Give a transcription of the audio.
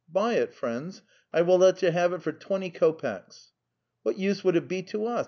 Buy it, friends! I will let you have it for twenty kopecks."' "What use would it be to us?